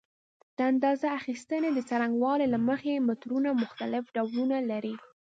د اندازه اخیستنې د څرنګوالي له مخې مترونه مختلف ډولونه لري.